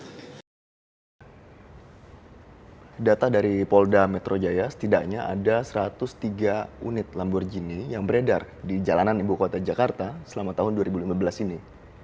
data dari polda metro jaya setidaknya ada satu ratus tiga unit lamborghini yang beredar di jalanan ibu kota jakarta selama tahun dua ribu lima belas ini